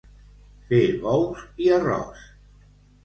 Fer bous i arròs.